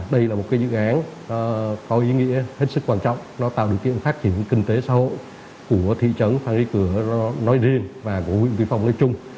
đây là một dự án có ý nghĩa hết sức quan trọng nó tạo điều kiện phát triển kinh tế xã hội của thị trấn phan rí cửa nói riêng và của huyện biên phòng nói chung